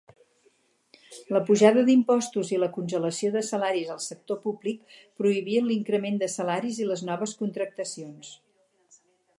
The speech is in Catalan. La pujada de impostos i la congelació de salaris al sector públic prohibien l'increment de salaris i les noves contractacions.